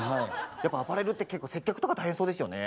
やっぱアパレルって結構接客とか大変そうですよね。